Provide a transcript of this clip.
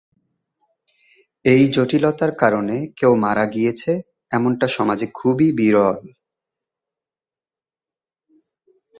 এই জটিলতার কারণে কেও মারা গিয়েছে, এমনটা সমাজে খুবই বিরল।